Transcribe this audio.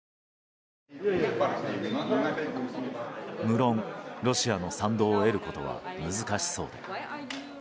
無論、ロシアの賛同を得ることは難しそうで。